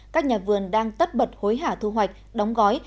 các nhà vườn đang tất bật hối hả thu hoạch đóng gói